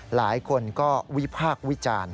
หลายคนก็วิพากษ์วิจารณ์